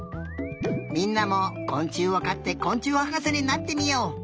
みんなもこん虫をかってこん虫はかせになってみよう！